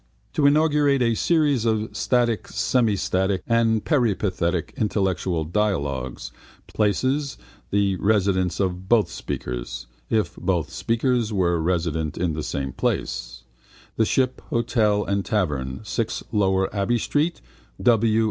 To inaugurate a series of static, semistatic and peripatetic intellectual dialogues, places the residence of both speakers (if both speakers were resident in the same place), the Ship hotel and tavern, 6 Lower Abbey street (W.